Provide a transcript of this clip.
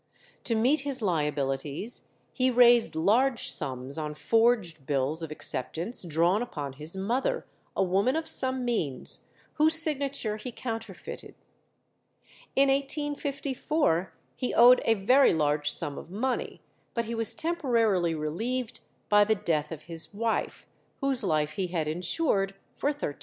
To meet his liabilities, he raised large sums on forged bills of acceptance drawn upon his mother, a woman of some means, whose signature he counterfeited. In 1854 he owed a very large sum of money, but he was temporarily relieved by the death of his wife, whose life he had insured for £13,000.